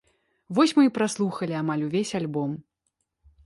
Вось мы і праслухалі амаль увесь альбом.